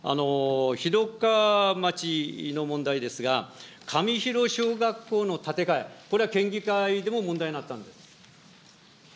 広川町の問題ですが、上広小学校の建て替え、これは県議会でも問題になったんです。